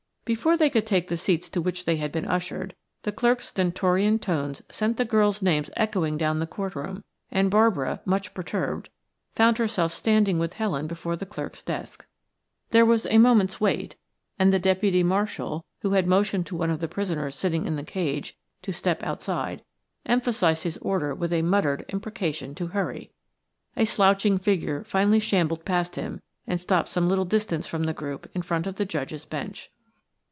Before they could take the seats to which they had been ushered, the clerk's stentorian tones sent the girls' names echoing down the court room and Barbara, much perturbed, found herself standing with Helen before the clerk's desk. There was a moment's wait and the deputy marshal, who had motioned to one of the prisoners sitting in the "cage" to step outside, emphasized his order with a muttered imprecation to hurry. A slouching figure finally shambled past him and stopped some little distance from the group in front of the Judge's bench.